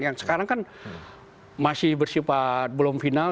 yang sekarang kan masih bersifat belum final